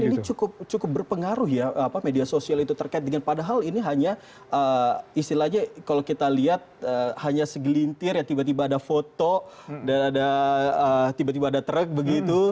dan ini cukup berpengaruh ya media sosial itu terkait dengan padahal ini hanya istilahnya kalau kita lihat hanya segelintir ya tiba tiba ada foto tiba tiba ada trek begitu